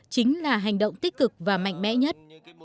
chính là hành động tích cực và mạnh mẽ nhất